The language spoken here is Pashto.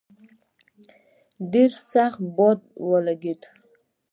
ډېر سخت باد ولګېد.